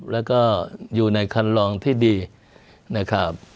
หรืออยู่ในคัณฐ์รองที่ดีนะครับ